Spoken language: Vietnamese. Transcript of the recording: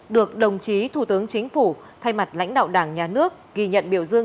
được đồng chí thủ tướng chính phủ thay mặt lãnh đạo đảng nhà nước ghi nhận biểu dương